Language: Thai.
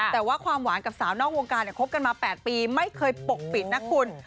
แต่ว่าความหวานกับสาวนอกวงการคบกันมา๘ปีไม่เคยปกปิดนะคุณ